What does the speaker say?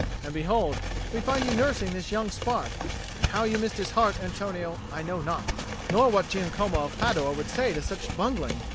And behold, we find you nursing this young spark; and how you missed his heart, Antonio, I know not, nor what Giacomo of Padua would say to such bungling."